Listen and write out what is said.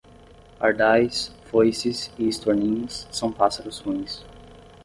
Pardais, foices e estorninhos são pássaros ruins.